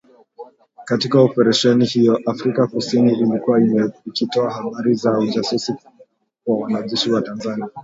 Katika Operesheni hiyo, Afrika kusini ilikuwa ikitoa habari za ujasusi kwa wanajeshi wa Tanzania